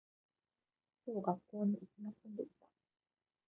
今日学校に行きませんでした